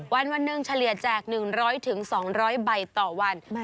วันหนึ่งเฉลี่ยแจก๑๐๐๒๐๐ใบต่อวัน